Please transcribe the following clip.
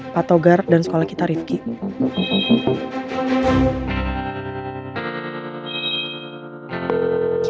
patogar dan sekolah kita rifky